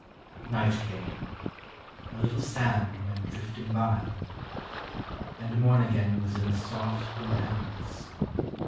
Xight came :— a little sand went drifting by — And morn again was in the soft blue heavens.